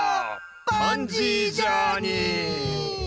パンジージャーニー！